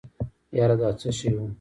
يره دا څه شی و.